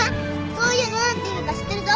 そういうの何ていうか知ってるぞ。